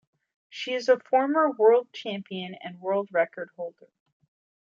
She is a former world champion and world record holder.